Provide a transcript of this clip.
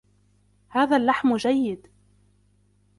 هذا اللحم جيد.